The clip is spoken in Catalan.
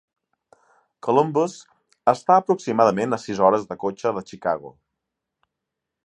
Columbus està aproximadament a sis hores de cotxe de Chicago.